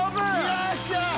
よっしゃ！